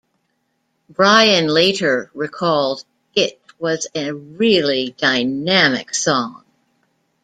Brian later recalled It was a really dynamic song.